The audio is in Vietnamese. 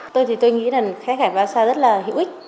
tôi thì tôi nghĩ là khách khải vasa rất là hữu ích